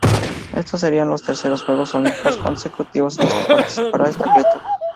Estos serían los terceros Juegos Olímpicos consecutivos en los que participara esta atleta